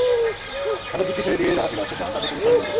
মাদক বিক্রি ছেড়ে দিয়ে যাঁরা ফিরে আসতে চান, তাঁদের পুলিশ সহযোগিতা করবে।